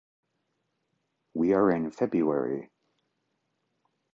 We are in February.